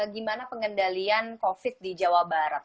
gimana pengendalian covid di jawa barat